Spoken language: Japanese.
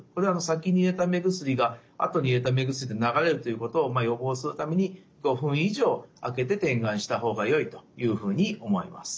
先に入れた目薬が後に入れた目薬で流れるということを予防するために５分以上あけて点眼した方がよいというふうに思います。